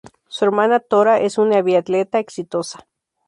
Su hermana Tora es una biatleta exitosa.